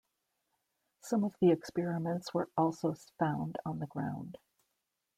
Some of the experiments were also found on the ground.